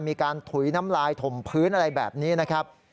ถุยน้ำลายถมพื้นอะไรแบบนี้นะครับ